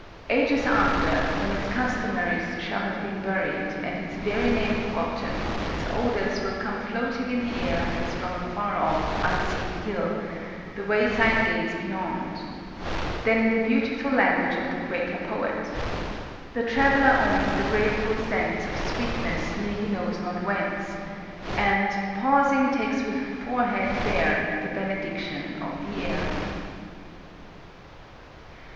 Ages after, when its customaries shall have been buried and its very name forgotten, its odors will come floating in the air as from a far off unseen hill, "the wayside gaze beyond;"—then in the beautiful language of the Quaker poet, "The traveler owns the grateful sense Of sweetness near, he knows not whence, And, pausing, takes with forehead bare The benediction of the air."